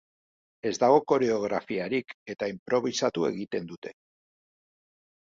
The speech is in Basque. Ez dago koreografiarik, eta inprobisatu egiten dute.